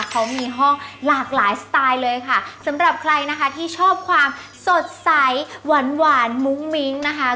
เขามีห้องหลากหลายสไตล์เลยค่ะสำหรับใครนะคะที่ชอบความสดใสหวานหวานมุ้งมิ้งนะคะ